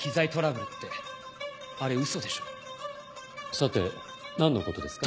さて何のことですか。